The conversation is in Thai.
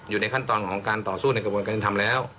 อยู่ในขั้นตอนของการต่อสู้ในกระบวนการยุติธรรมแล้ว